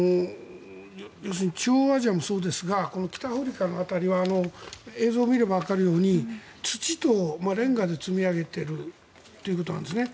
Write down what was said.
中央アジアもそうですが北アフリカの辺りは映像を見ればわかるように土とレンガで積み上げているということなんですね。